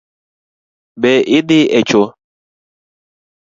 Be idhi e choo?